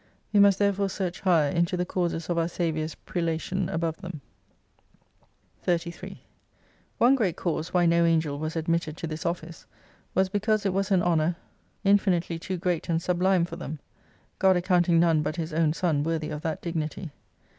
We must therefore search higher into the causes of our Saviour's prela tion above them. 33 One great cause why no Angel was admitted to this office, was because it was an honour infinitely too 104 great and sublime for them, God accounting none but His own Son worthy of that dignity.